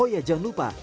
oh ya jangan lupa